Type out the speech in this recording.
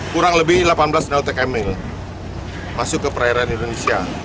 kurang lebih delapan belas meltek emil masuk ke perairan indonesia